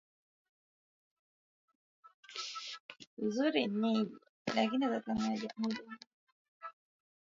Tuko kwenye hatua za mwisho za kutengeneza chapa ya kitaifa ya kutengeneza sabuni